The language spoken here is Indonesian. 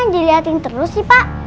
dilihatin terus sih pak